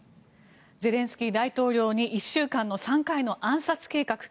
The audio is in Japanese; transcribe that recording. ゼレンスキー大統領に１週間の３回の暗殺計画。